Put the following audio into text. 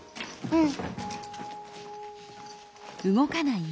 うん。